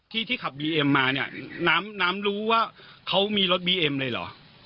ที่ที่ขับบีเอ็มมาเนี่ยน้ำน้ำรู้ว่าเขามีรถบีเอ็มเลยเหรอ